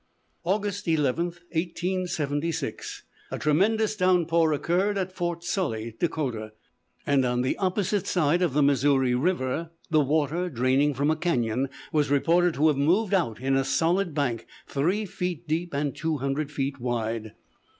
August 11, 1876, a tremendous downpour occurred at Fort Sully, Dakota: "and on the opposite side of the Missouri River, the water draining from a canon was reported to have moved out in a solid bank three feet deep and two hundred feet wide."